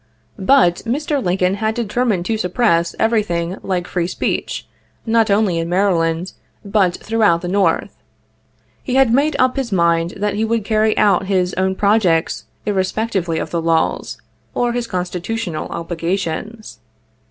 But Mr. Lincoln had determined to suppress everything like free speech, not only in Maryland, but throughout the North. He had made up his mind that he would carry out his own projects irrespectively of the laws, or his constitutional obligations.